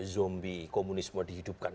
zombie komunisme dihidupkan